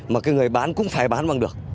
mà người bán cũng phải bán bằng được